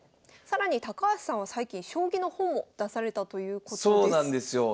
更に高橋さんは最近将棋の本を出されたということです。